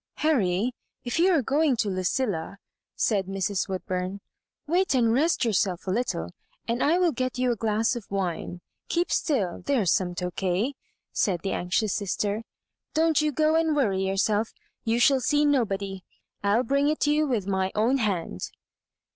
" Harry, if you are going to Lucilla 1" said Mrs. Woodbum ;wait and rest yourself a little, and I will get you a glass of wine. Keep still ; there's some Tokay," said the anxious sister. *' Don't you go and worry yourself. You shall see nobody. I'll bring it you with my own hand."